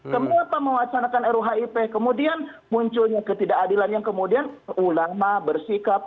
kenapa mewacanakan ruhip kemudian munculnya ketidakadilan yang kemudian ulama bersikap